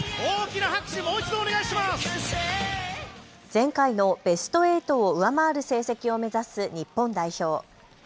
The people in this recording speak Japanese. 前回のベスト８を上回る成績を目指す日本代表。